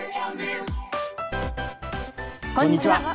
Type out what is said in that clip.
こんにちは。